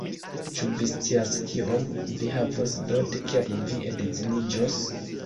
Ĉu vi scias kiom vi havos dote, kiam vi edziniĝos?